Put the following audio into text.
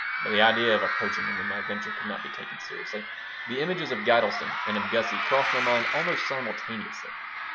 But the idea of approaching them with my venture could not be taken seriously. The images of Gitelson and of Gussie crossed my mind almost simultaneously.